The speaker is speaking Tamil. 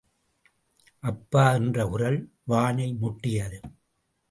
அப்பா! என்ற குரல் வானை முட்டியது.